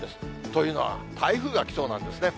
というのは、台風が来そうなんですね。